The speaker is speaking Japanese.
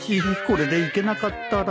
これで行けなかったら